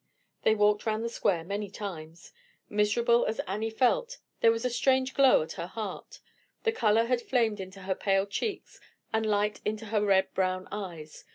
They walked round the square many times. Miserable as Annie felt, there was a strange glow at her heart, the color had flamed into her pale cheeks, and light into her red brown eyes.